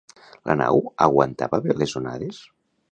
La nau aguantava bé les onades?